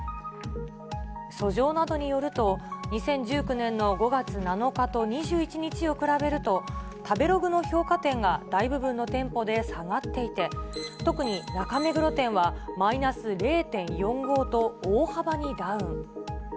訴状などによると、２０１９年の５月７日と２１日を比べると、食べログの評価点が大部分の店舗で下がっていて、特に中目黒店はマイナス０．４５と、大幅にダウン。